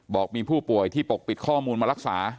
บอกมีผู้ป่วยที่ปกปิดข้อมูลมารักษา